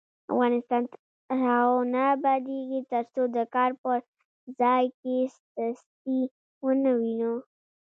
افغانستان تر هغو نه ابادیږي، ترڅو د کار په ځای کې سستي ونه وینو.